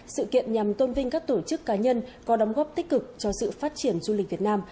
sự kiện nhằm tôn vinh các tổ chức cá nhân có đóng góp tích cực cho sự phát triển du lịch việt nam